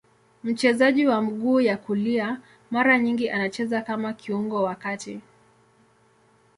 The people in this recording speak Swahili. Mchezaji wa mguu ya kulia, mara nyingi anacheza kama kiungo wa kati.